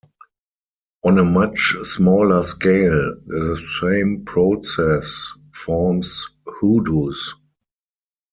On a much smaller scale, the same process forms hoodoos.